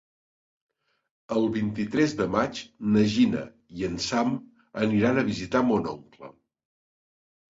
El vint-i-tres de maig na Gina i en Sam aniran a visitar mon oncle.